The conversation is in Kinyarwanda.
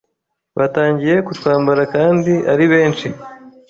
batangiye kutwambara kandi ari benshi